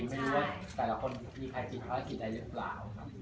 ไม่รู้ว่าแต่ละคนมีใครกินพาได้กินได้หรือเปล่า